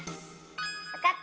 わかった。